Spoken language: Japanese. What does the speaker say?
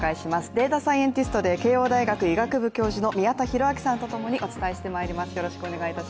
データサイエンティストで慶応大学医学部教授の宮田裕章さんとともにお伝えしてまいります。